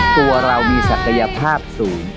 ตัวเรามีศักยภาพสูง